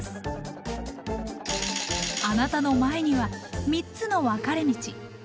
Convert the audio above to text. あなたの前には３つのわかれ道。